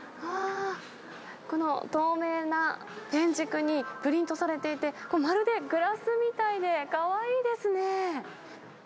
この透明なペン軸にプリントされていて、まるでグラスみたいで、かわいいですね。